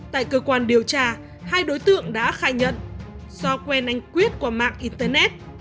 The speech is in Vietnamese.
tại cơ quan điều tra hai đối tượng đã khai nhận do quen anh quyết qua mạng internet